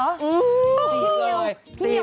พี่เหนียวมีก็สีบ